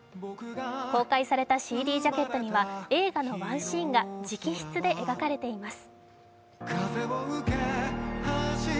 公開されたＣＤジャケットには映画のワンシーンが直筆で描かれています。